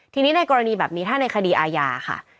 ทีนี้ในกรณีแบบนี้ถ้าในคดีอาญาค่ะ